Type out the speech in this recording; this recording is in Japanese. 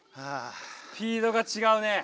スピードがちがうね。